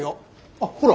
あっほら。